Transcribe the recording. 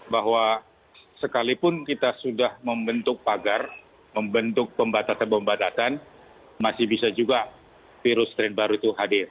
bahwa sekalipun kita sudah membentuk pagar membentuk pembatasan pembatasan masih bisa juga virus strain baru itu hadir